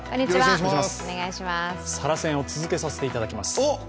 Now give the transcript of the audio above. サラ川を続けさせていただきます。